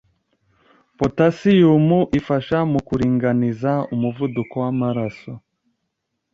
Potasiyumu ifasha mu kuringaniza umuvuduko w’amaraso